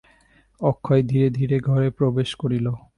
অক্ষয় ধীরে ধীরে ঘরে প্রবেশ করিল।